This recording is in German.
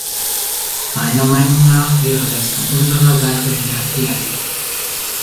Meiner Meinung nach wäre das von unserer Seite her ehrlich.